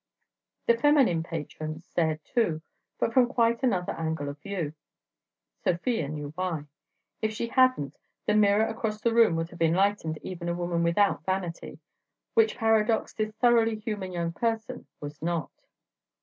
The feminine patrons stared, too, but from quite another angle of view. Sofia knew why. If she hadn't, the mirror across the room would have enlightened even a woman without vanity; which paradox this thoroughly human young person was not.